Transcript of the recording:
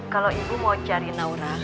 kalau ibu mau cari naura